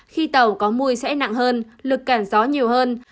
khi tàu có mùi sẽ nặng hơn lực cản gió nhiều hơn